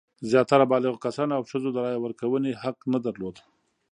زیاتره بالغو کسانو او ښځو د رایې ورکونې حق نه درلود.